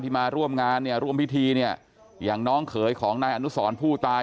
มาร่วมงานเนี่ยร่วมพิธีเนี่ยอย่างน้องเขยของนายอนุสรผู้ตาย